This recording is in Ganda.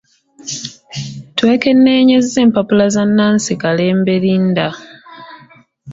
Twekenneenyezza empapula za Nancy Kalembe Linda.